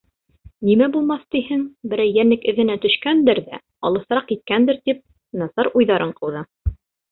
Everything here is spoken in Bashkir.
Нимә булмаҫ тиһең, берәй йәнлек эҙенә төшкәндер ҙә, алыҫыраҡ киткәндер тип, насар уйҙарын ҡыуҙы.